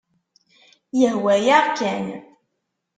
Yehwa-yaɣ kan.